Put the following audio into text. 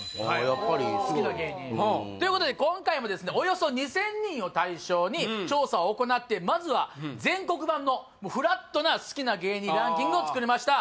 やっぱりそう好きな芸人ということで今回もおよそ２０００人を対象に調査を行ってまずは全国版のフラットな好きな芸人ランキングを作りました